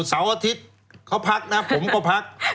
เสาร์อาทิตย์เขาพักนะผมก็พัก